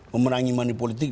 memerangi money politik